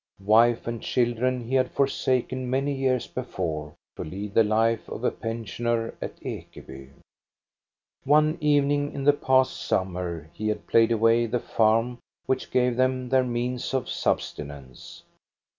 Wife and children he had for saken many years before, to lead the life of a pen sioner at Ekeby. One evening in the past summer he had played away the farm which gave them their means of subsistence.